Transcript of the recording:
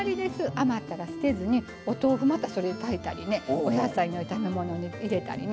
余ったら捨てずにお豆腐またそれで炊いたりお野菜の炒め物に入れたりね